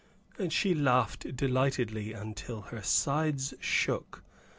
And she laughed delightfully until her sides shook.